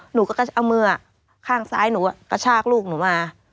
หนูก็จะเอามือข้างซ้ายหนูกระชากลูกหนูมา